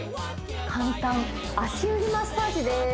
簡単足指マッサージです